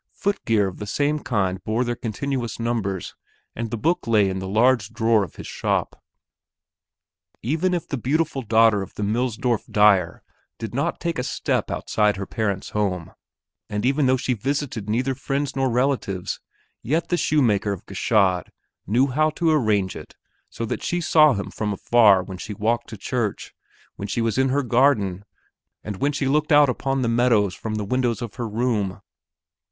Footgear of the same kind bore their continuous numbers, and the book lay in the large drawer of his shop. Even if the beautiful daughter of the Millsdorf dyer did not take a step outside her parents' home, and even though she visited neither friends nor relatives, yet the shoemaker of Gschaid knew how to arrange it so that she saw him from afar when she walked to church, when she was in her garden, and when she looked out upon the meadows from the windows of her room.